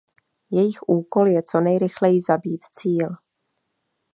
Jejich úkol je co nejrychleji zabít cíl.